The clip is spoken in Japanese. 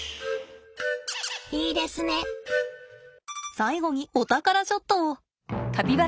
最後にお宝ショットを。